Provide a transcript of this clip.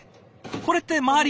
これって周り